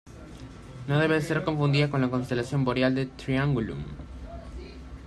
No debe ser confundida con la constelación boreal de Triangulum.